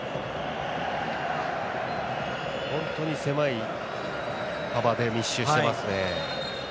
本当に狭い幅で密集していますね。